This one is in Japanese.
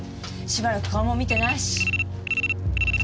しばらく顔も見てないし。